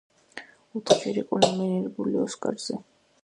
ოთხჯერ იყო ნომინირებული ოსკარზე.